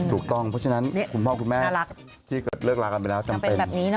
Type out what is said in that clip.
ถูกต้องเพราะฉะนั้นคุณพ่อคุณแม่ที่เกิดเลิกลากันไปแล้วจำเป็น